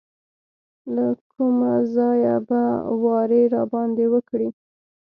له کومه ځایه به واری راباندې وکړي.